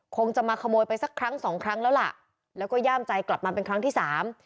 คงจะมาขโมยไปสักครั้งสองครั้งแล้วล่ะแล้วก็ย่ามใจกลับมาเป็นครั้งที่สาม